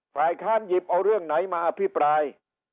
ฝ่ายค้านหยิบเอาเรื่องไหนมาอภิปราย